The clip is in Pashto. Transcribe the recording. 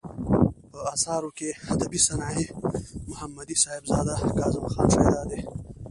په اثارو کې ادبي صنايع ، محمدي صاحبزداه ،کاظم خان شېدا دى.